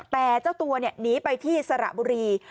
แต่เจ้าตัวหนีไปที่สระบุรี